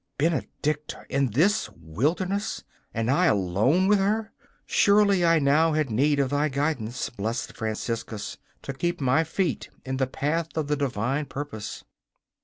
Benedicta in this wilderness, and I alone with her! Surely I now had need of thy guidance, blessed Franciscus, to keep, my feet in the path of the Divine purpose.